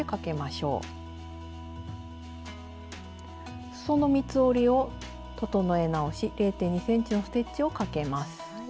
すその三つ折りを整え直し０．２ｃｍのステッチをかけます。